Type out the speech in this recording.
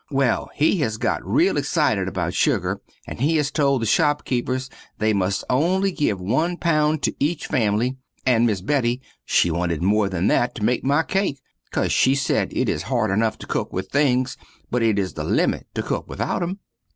Well he has got reel exited about sugar, and he has told the shopkeepers they must give only one pound to itch family, and miss Betty she wanted more than that to make my cake, because she sez it is hard enuf to cook with things but it is the limit to cook without them.